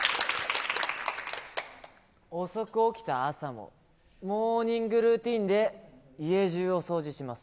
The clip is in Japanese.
遅く起きた朝も、モーニングルーティンで、家中を掃除します。